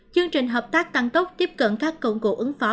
chương trình hợp tác tăng tốc tiếp cận các công cụ ứng phó